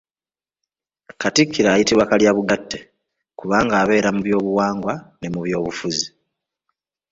Katikkiro ayitibwa Kalyabugatte kubanga abeera mu by'obuwangwa ne mu by'obufuzi.